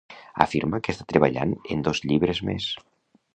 Afirma que està treballant en dos llibres més.